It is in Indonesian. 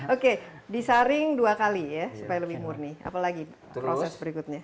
oke disaring dua kali ya supaya lebih murni apalagi proses berikutnya